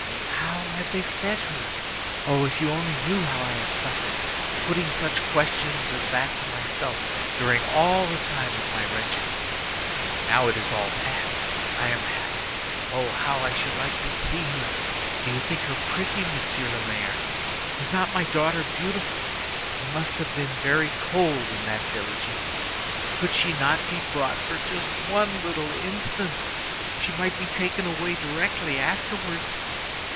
How have they fed her? Oh! if you only knew how I have suffered, putting such questions as that to myself during all the time of my wretchedness. Now, it is all past. I am happy. Oh, how I should like to see her! Do you think her pretty, Monsieur le Maire? Is not my daughter beautiful? You must have been very cold in that diligence! Could she not be brought for just one little instant? She might be taken away directly afterwards.